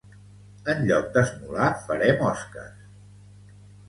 En lloc d'esmolar farem osques.